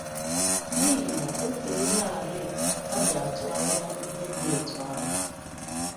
n'ihi na o teelarị ha ji atụ anya ihe dị etu ahụ.